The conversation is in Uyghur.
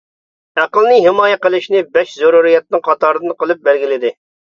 ئەقىلنى ھىمايە قىلىشنى بەش زۆرۈرىيەتنىڭ قاتارىدىن قىلىپ بەلگىلىدى.